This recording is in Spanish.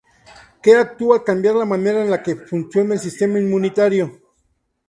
Que actúa al cambiar la manera en la que funciona el sistema inmunitario.